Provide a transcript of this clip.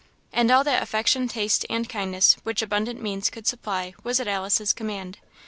And all that affection, taste, and kindness, which abundant means, could supply, was at Alice's command.